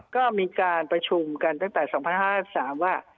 ก็มีการประชุมกันตั้งแต่๒๐๕๓ว่า